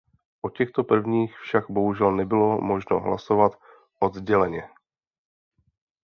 O těchto prvcích však bohužel nebylo možno hlasovat odděleně.